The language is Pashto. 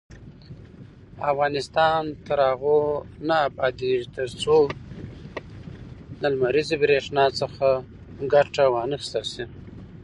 افغانستان تر هغو نه ابادیږي، ترڅو د لمریزې بریښنا څخه ګټه وانخیستل شي.